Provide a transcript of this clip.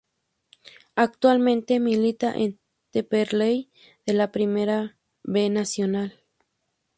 Actualmente milita en Temperley de la Primera B Nacional.